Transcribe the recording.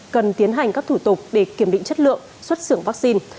cần tiến hành các thủ tục để kiểm định chất lượng xuất xưởng vaccine